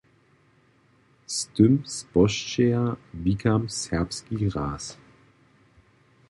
Z tym spožčeja wikam serbski raz.